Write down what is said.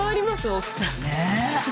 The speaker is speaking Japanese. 大きさ。